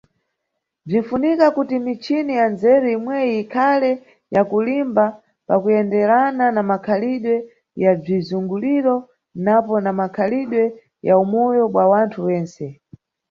Bzinʼfunika kuti michini ya ndzeru imweyi ikhale ya kulimba pakuyenderana na makhalidwe ya bzizunguliro napo na makhalidwe ya umoyo bwa wanthu wentse.